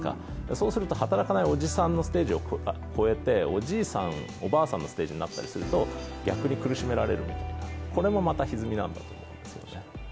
そうすると働かないおじさんのステージを超えておじいさん、おばあさんのステージになったりすると逆に苦しめられる、これもまたひずみなんだと思います。